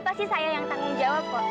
pasti saya yang tanggung jawab kok